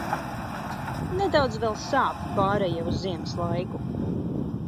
Nedaudz vēl sāp pāreja uz ziemas laiku.